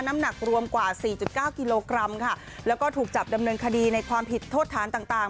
น้ำหนักรวมกว่า๔๙กิโลกรัมค่ะแล้วก็ถูกจับดำเนินคดีในความผิดโทษฐานต่าง